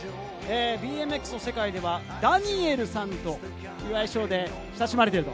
ＢＭＸの世界ではダニエルさんという愛称で親しまれていると。